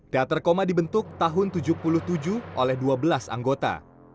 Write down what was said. teater koma dibentuk tahun seribu sembilan ratus tujuh puluh tujuh oleh dua belas anggota